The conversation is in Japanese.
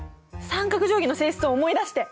三角定規の性質を思い出して。